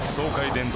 電動